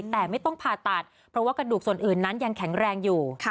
แต่ไม่ต้องผ่าตัดเพราะว่ากระดูกส่วนอื่นนั้นยังแข็งแรงอยู่